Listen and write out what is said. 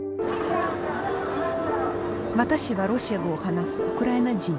私はロシア語を話すウクライナ人。